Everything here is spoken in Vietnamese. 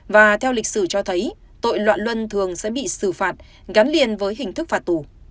và theo lịch sử cho thấy tội loạn luân thường sẽ bị xử phạt gắn liền với hình thức phạt tù